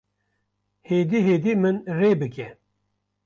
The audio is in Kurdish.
Hêdî hêdî min rê bike